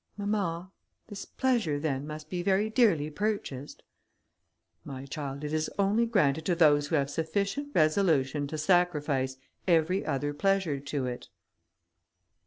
"Mamma, this pleasure then must be very dearly purchased?" "My child, it is only granted to those who have sufficient resolution to sacrifice every other pleasure to it."